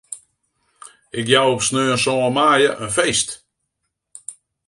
Ik jou op sneon sân maaie in feest.